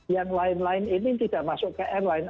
yang lain lain ini tidak masuk ke airline